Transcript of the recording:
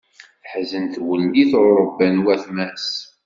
Teḥzen twellit, ur ṛebban watma-s.